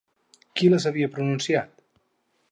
Qui les havia pronunciat?